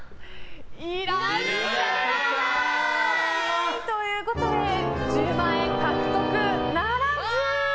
いらっしゃらない。ということで１０万円獲得ならず。